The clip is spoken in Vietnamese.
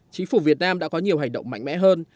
chính phủ việt nam đã có nhiều hành động mạnh mẽ hơn